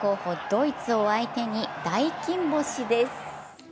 ドイツを相手に大金星です。